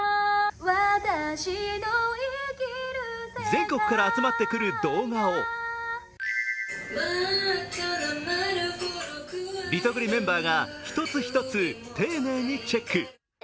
全国から集まってくる動画をリトグリメンバーが一つ一つ丁寧にチェック。